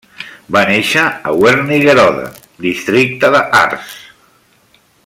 Va néixer a Wernigerode, districte de Harz.